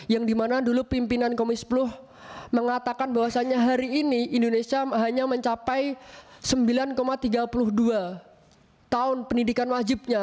yang dimana dulu pimpinan komisi sepuluh mengatakan bahwasannya hari ini indonesia hanya mencapai sembilan tiga puluh dua tahun pendidikan wajibnya